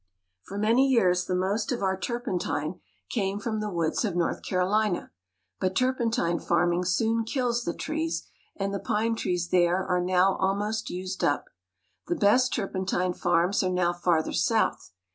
For many years the most of our turpentine came from the woods of North Carolina ; but turpentine farming soon kills the trees, and the pine trees there are now almost used up. The best turpentine farms are now farther south.